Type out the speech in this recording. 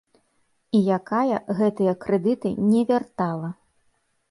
І якая гэтыя крэдыты не вяртала.